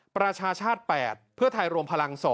ประชาชาติ๘เพื่อไทยรวมพลัง๒